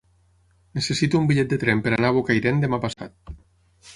Necessito un bitllet de tren per anar a Bocairent demà passat.